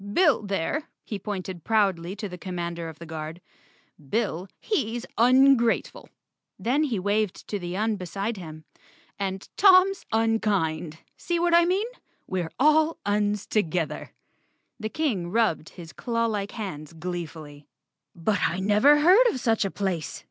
Bill, there," he pointed proudly at the commander of the Guard, "Bill, he's ungrate 139 The Cowardly Lion of Oz _ ful." Then he waved to the Un beside him. "And Tom's unkind. See what I mean? We're all Uns to¬ gether." The King rubbed his clawlike hands glee¬ fully. "But I never heard of such a place!"